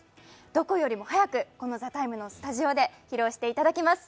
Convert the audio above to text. どこよりも早くこの「ＴＨＥＴＩＭＥ，」のスタジオで披露していただきます。